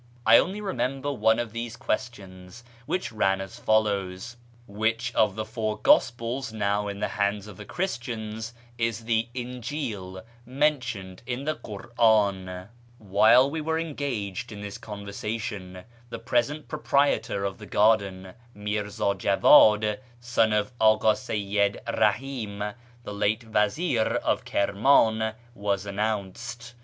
I only remember one of these questions, which ran as follows :" Which of the four gospels now in the hands of the Christians is the Injil mentioned in the Kur'an ?" While we were engaged in this conversation, the present proprietor of the garden, Mirza Jaw; id, son of Aka Seyyid Eahi'm, the late vazir of Kirman, was announced.